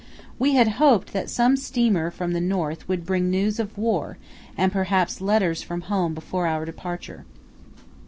We had hoped that some steamer from the north would bring news of war and perhaps letters from home before our departure.